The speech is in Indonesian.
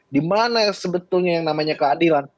di mana sebetulnya yang namanya keadilan